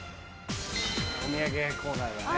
お土産屋コーナーだね。